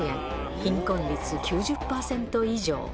貧困率９０％以上。